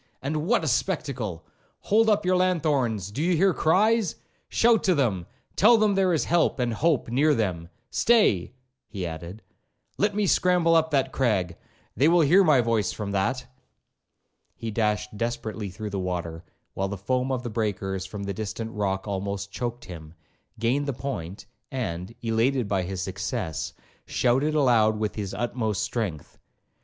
and what a spectacle!—Hold up your lanthorns—do you hear cries?—shout to them—tell them there is help and hope near them.—Stay,' he added, 'let me scramble up that crag—they will hear my voice from that.' He dashed desperately through the water, while the foam of the breakers from a distant rock almost choaked him, gained the point, and, elated by his success, shouted aloud with his utmost strength.